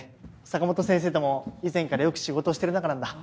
坂本先生とも以前からよく仕事してる仲なんだ。